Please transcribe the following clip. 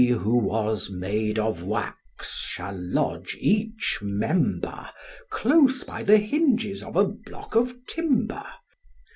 He who was made of wax shall lodge each member Close by the hinges of a block of timber.